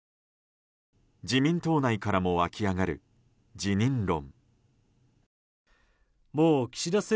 自民党内からも湧き上がる辞任論。